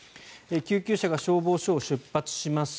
救急車が消防署を出発します